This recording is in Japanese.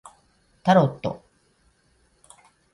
タロット